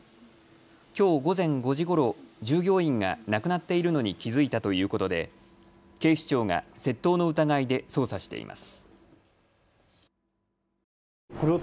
きょう午前５時ごろ、従業員がなくなっているのに気付いたということで警視庁が窃盗の疑いで捜査しています。